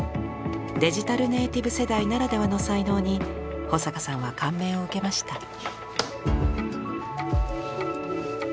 デジタルネイティブ世代ならではの才能に保坂さんは感銘を受けました。